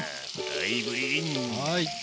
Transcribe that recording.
はい。